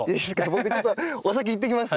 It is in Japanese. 僕ちょっとお先に行ってきます。